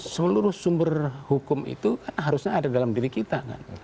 seluruh sumber hukum itu harusnya ada dalam diri kita kan